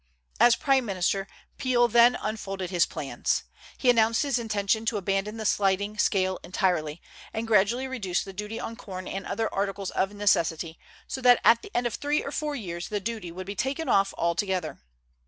As prime minister, Peel then unfolded his plans. He announced his intention to abandon the sliding scale entirely, and gradually reduce the duty on corn and other articles of necessity so that at the end of three or four years the duty would be taken off altogether.